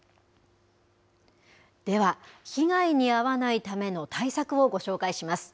では、被害に遭わないための対策をご紹介します。